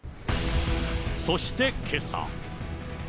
そしてけさ。